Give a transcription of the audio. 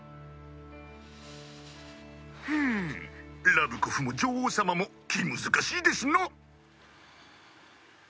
「うーんラブコフも女王様も気難しいですな」